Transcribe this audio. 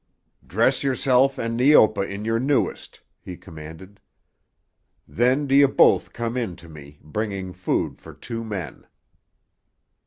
"Dress yourself and Neopa in your newest," he commanded. "Then do you both come in to me, bringing food for two men."